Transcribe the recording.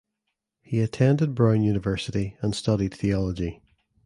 He attended Brown University and studied theology.